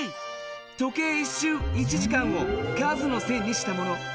時計１しゅう１時間を数の線にしたもの。